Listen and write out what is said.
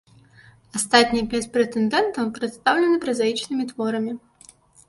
Астатнія пяць прэтэндэнтаў прадстаўлены празаічнымі творамі.